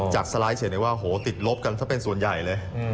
จากสไลด์เฉพาะว่าโหติดลบกันถ้าเป็นส่วนใหญ่เลย